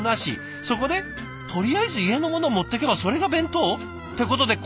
そこで「とりあえず家のものを持っていけばそれが弁当」。ってことでこの形に。